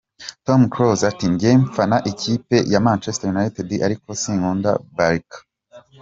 Tom Close ati: “Njye mfana ikipe ya Manchester United ariko sinkunda Barca!”.